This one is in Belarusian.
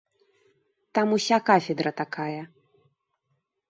Там уся кафедра такая.